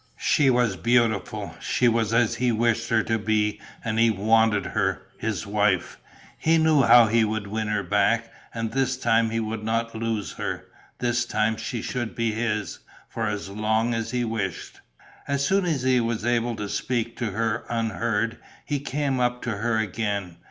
She was beautiful, she was as he wished her to be and he wanted her, his wife. He knew how he would win her back; and this time he would not lose her, this time she should be his, for as long as he wished. As soon as he was able to speak to her unheard, he came up to her again.